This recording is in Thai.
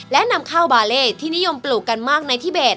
และนำข้าวบาเล่ที่นิยมปลูกกันมากในทิเบส